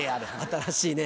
新しいね。